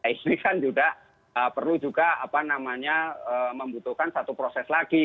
ini kan juga perlu juga membutuhkan satu proses lagi